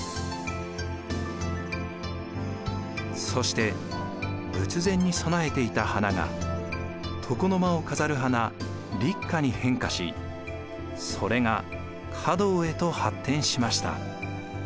そして仏前に供えていた花が床の間を飾る花立花に変化しそれが華道へと発展しました。